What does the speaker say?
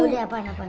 ya udah apaan apaan